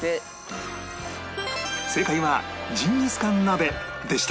正解はジンギスカン鍋でした